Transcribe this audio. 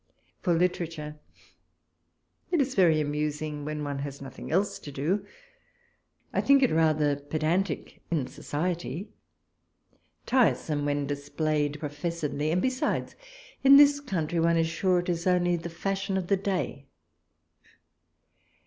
For literature, it is very anausing when one has nothing else to do. I think it rather pedantic in society ; tiresome when dis played professedly ; and, besides, in this country one is sure it is only the fashion of the day.